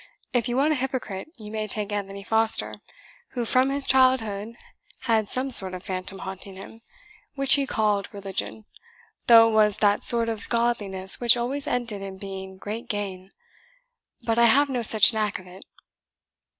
If you want a hypocrite, you may take Anthony Foster, who, from his childhood, had some sort of phantom haunting him, which he called religion, though it was that sort of godliness which always ended in being great gain. But I have no such knack of it."